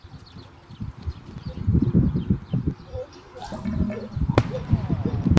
默弗里斯伯勒是一个位于美国阿肯色州派克县的城市。